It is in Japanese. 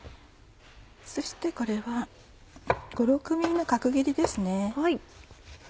そしてこれは５６ｍｍの角切りですね。